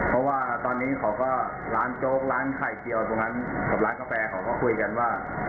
เพราะว่าตอนนี้เขาก็ร้านโจ๊กร้านไข่เจียวตรงนั้นกับร้านกาแฟเขาก็คุยกันว่า